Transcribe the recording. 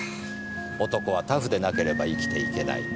男はタフでなければ生きていけない。